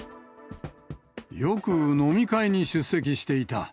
よく飲み会に出席していた。